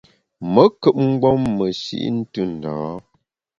Me nkùp mgbom meshi’ ntù ndâ a.